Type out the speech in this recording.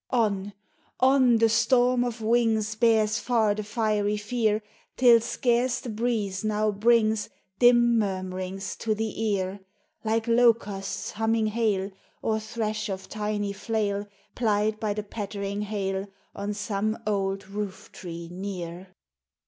On ! on ! the storm of wings Bears far the fiery fear, Till scarce the breeze now brings Dim murmurings to the ear ; Like locusts' humming hail, Or thrash of tiny flail Plied by the pattering hail On some old roof tree near.